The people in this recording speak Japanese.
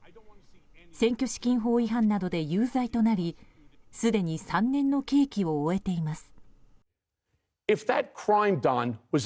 選挙資金法違反などで有罪となりすでに３年の刑期を終えています。